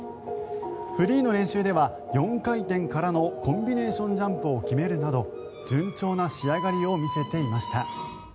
フリーの練習では４回転からのコンビネーションジャンプを決めるなど順調な仕上がりを見せていました。